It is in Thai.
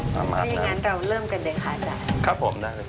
อย่างนั้นเราเริ่มกันเดี๋ยวค่ะ